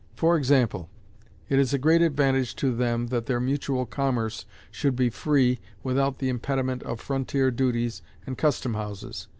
For example, it is a great advantage to them that their mutual commerce should be free, without the impediment of frontier duties and custom houses.